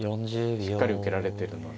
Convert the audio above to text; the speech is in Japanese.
しっかり受けられてるので。